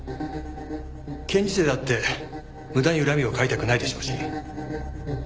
検事正だって無駄に恨みを買いたくないでしょうし。